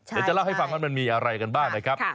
เดี๋ยวจะเล่าให้ฟังว่ามันมีอะไรกันบ้างนะครับ